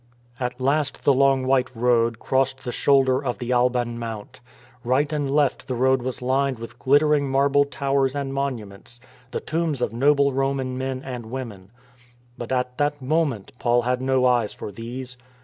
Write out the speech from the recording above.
At last the long white road crossed the shoulder of the Alban Mount. Right and left the road was lined with glittering marble towers and monuments, the tombs of noble Roman men and women; but, at that moment, Paul had no eyes for these.